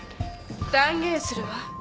断言するわ。